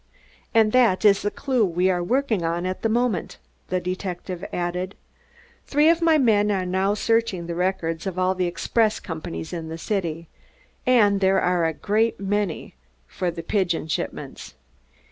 "And that is the clew we are working on at the moment," the detective added. "Three of my men are now searching the records of all the express companies in the city and there are a great many for the pigeon shipments.